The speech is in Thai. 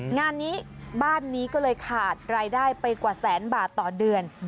งานนี้บ้านนี้ก็เลยขาดรายได้ไปกว่าแสนบาทต่อเดือน